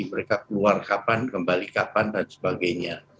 mereka keluar kapan kembali kapan dan sebagainya